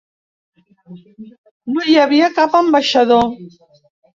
No hi havia cap ambaixador.